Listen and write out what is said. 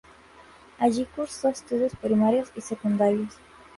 Allí curso estudios primarios y secundarios.